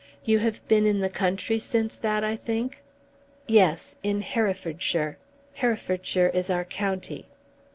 You have been in the country since that, I think?" "Yes, in Herefordshire. Herefordshire is our county."